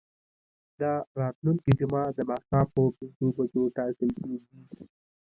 دا راتلونکې جمعه د ماښام په پنځو بجو ټاکل کیږي.